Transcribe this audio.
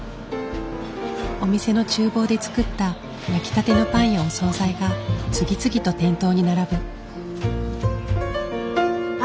お店のちゅう房で作った焼きたてのパンやお総菜が次々と店頭に並ぶ。